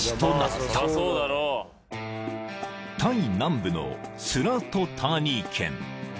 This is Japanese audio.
［タイ南部のスラートターニー県］